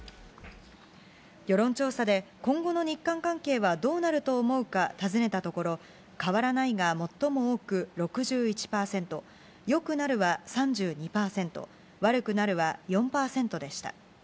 世論調査で、今後の日韓関係はどうなると思うか尋ねたところ、変わらないが最も多く６１％、よくなるは３２％、悪くなるは４％でした。